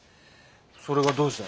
それがどうした？